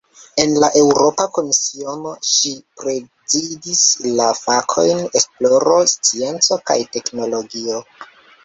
En la Eŭropa Komisiono, ŝi prezidis la fakojn "esploro, scienco kaj teknologio".